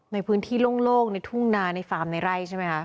ในพื้นที่โล่งในทุ่งนาในฟาร์มในไร่ใช่ไหมคะ